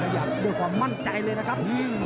อยากด้วยความมั่นใจเลยนะครับ